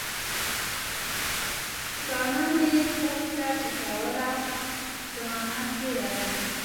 باڼه مي خوب ته ټیټوله، زمانه تیره ده